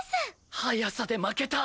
速さで負けた！